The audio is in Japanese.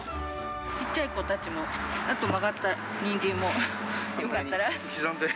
ちっちゃい子たちも、あと曲がったニンジンも、よかったら。